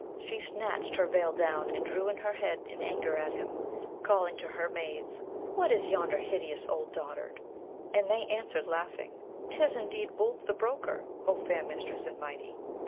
She snatched her veil down and drew in her head in anger at him, calling to her maids, 'What is yonder hideous old dotard?' And they answered, laughing, ''Tis indeed Boolp the broker, O fair mistress and mighty!'